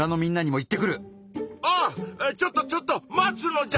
あちょっとちょっと待つのじゃ！